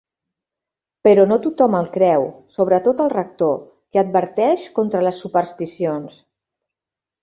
Però no tothom el creu, sobretot el rector, que adverteix contra les supersticions.